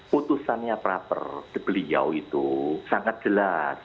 putusannya praper beliau itu sangat jelas